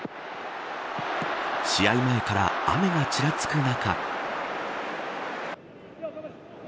試合前から雨がちらつく中。